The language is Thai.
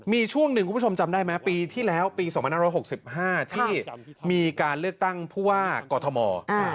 มีช่วงหนึ่งคุณผู้ชมจำได้ไหมปีที่แล้วปี๒๕๖๕ที่มีการเลือกตั้งผู้ว่ากอทม